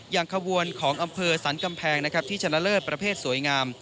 ขบวนของอำเภอสรรกำแพงนะครับที่ชนะเลิศประเภทสวยงาม